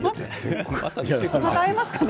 また会えますかね。